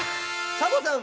サボさん